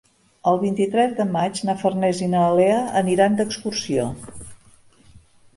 El vint-i-tres de maig na Farners i na Lea aniran d'excursió.